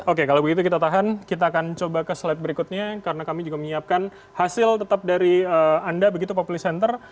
oke kalau begitu kita tahan kita akan coba ke slide berikutnya karena kami juga menyiapkan hasil tetap dari anda begitu populi center